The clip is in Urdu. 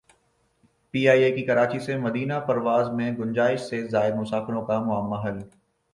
پی ئی اے کی کراچی سے مدینہ پرواز میں گنجائش سے زائد مسافروں کا معمہ حل